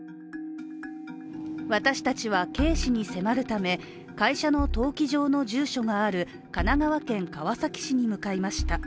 私たちはＫ氏に迫るため、会社の登記上の住所がある神奈川県川崎市に向かいました。